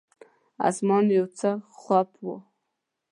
اسمان یو څه خوپ و.